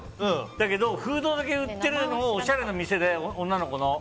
だけどフードだけ売っているおしゃれな店で女の子の。